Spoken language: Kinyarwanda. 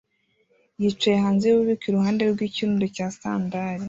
yicaye hanze yububiko iruhande rwikirundo cya sandali